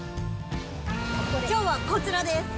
きょうはこちらです。